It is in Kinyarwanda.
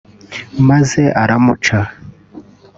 maze aramuca